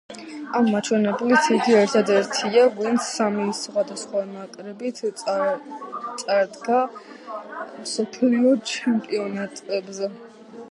ამ მაჩვენებლით იგი ერთადერთია ვინც სამი სხვადასხვა ნაკრებით წარდგა მსოფლიო ჩემპიონატებზე.